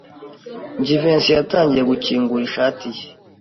Jivency yatangiye gukingura ishati ye.